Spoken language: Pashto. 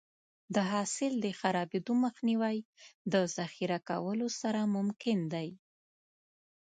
د حاصل د خرابېدو مخنیوی د ذخیره کولو سره ممکن دی.